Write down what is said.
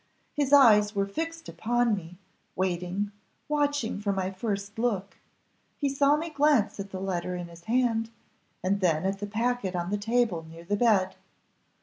His eyes were fixed upon me, waiting, watching for my first look: he saw me glance at the letter in his hand, and then at the packet on the table near the bed.